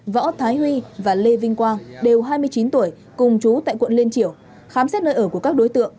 võ thái huy và lê vinh quang đều hai mươi chín tuổi cùng chú tại quận liên triểu khám xét nơi ở của các đối tượng